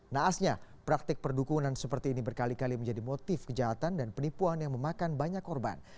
naasnya praktik perdukunan seperti ini berkali kali menjadi motif kejahatan dan penipuan yang memakan banyak korban